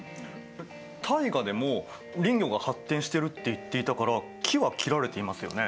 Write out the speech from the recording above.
タイガでも林業が発展してるって言っていたから木は切られていますよね？